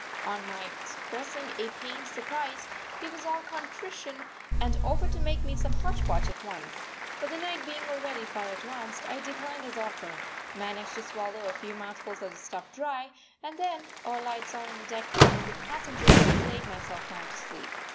On my expressing a pained surprise, he was all contrition and offered to make me some hotch potch at once. But the night being already far advanced, I declined his offer, managed to swallow a few mouthfuls of the stuff dry, and then, all lights on and the deck packed with passengers, laid myself down to sleep.